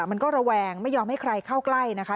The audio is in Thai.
มันก็ระแวงไม่ยอมให้ใครเข้าใกล้นะคะ